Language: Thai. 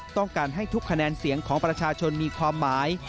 ต้องการให้ทุกคะแนนเสียงของประชาชนมีความหมาย